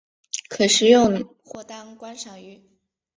可食用或当观赏鱼。